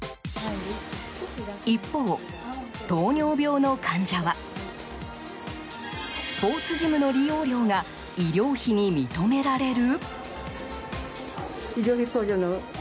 一方、糖尿病の患者はスポーツジムの利用料が医療費に認められる？